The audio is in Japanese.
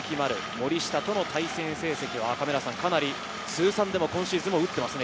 森下との対戦成績は、かなり通算でも今シーズンも打ってますね。